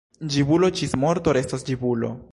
Ĝibulo ĝis morto restos ĝibulo.